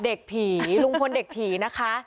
เด็กผีลุงพลเด็กผีนะคะ